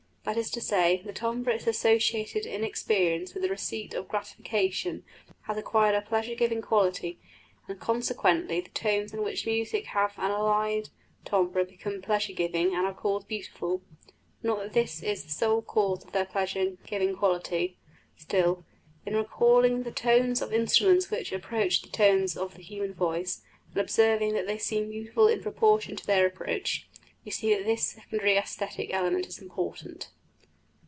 That is to say, the timbre is associated in experience with the receipt of gratification, has acquired a pleasure giving quality, and consequently the tones which in music have an allied timbre become pleasure giving and are called beautiful. Not that this is the sole cause of their pleasure giving quality.... Still, in recalling the tones of instruments which approach the tones of the human voice, and observing that they seem beautiful in proportion to their approach, we see that this secondary æsthetic element is important."